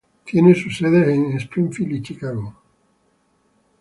Tiene sus sedes en Springfield y Chicago.